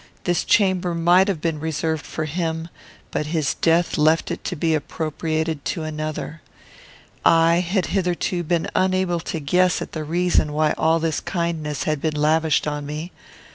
This chamber might have been reserved for him, but his death left it to be appropriated to another. I had hitherto been unable to guess at the reason why all this kindness had been lavished on me.